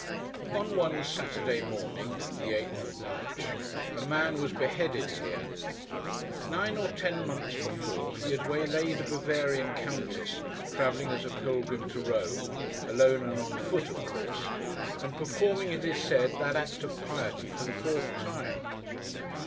On one Saturday morning (the eighth of March), a man was beheaded here. Nine or ten months before, he had waylaid a Bavarian countess, travelling as a pilgrim to Rome—alone and on foot, of course—and performing, it is said, that act of piety for the fourth time.